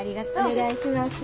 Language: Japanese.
お願いします。